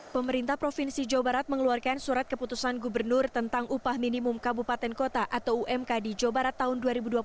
pemerintah provinsi jawa barat mengeluarkan surat keputusan gubernur tentang upah minimum kabupaten kota atau umk di jawa barat tahun dua ribu dua puluh satu